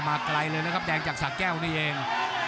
ไกลเลยนะครับแดงจากสะแก้วนี่เอง